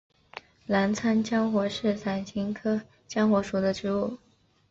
澜沧羌活是伞形科羌活属的植物。